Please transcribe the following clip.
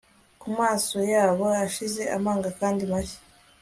ku maso yabo ashize amanga kandi mashya